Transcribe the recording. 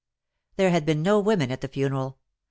There had been no women at the funeral.